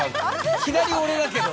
左俺だけど。